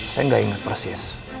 saya gak ingat persis